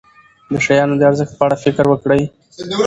د شیانو د ارزښت په اړه فکر وکړئ.